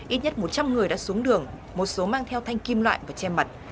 ít nhất một trăm linh người đã xuống đường một số mang theo thanh kim loại và che mặt